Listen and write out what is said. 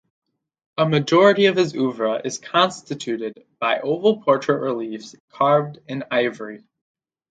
A majority of his oeuvre is constituted by oval portrait reliefs carved in ivory.